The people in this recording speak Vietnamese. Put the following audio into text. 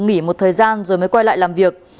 nghỉ một thời gian rồi mới quay lại làm việc